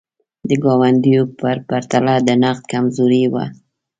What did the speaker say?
د ګاونډیو په پرتله د نقد کمزوري وه.